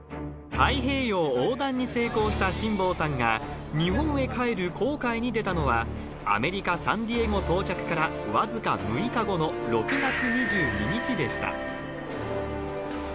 太平洋横断に成功した辛坊さんが、日本へ帰る航海に出たのは、アメリカ・サンディエゴ到着から、僅か６日後の６月２２日でした。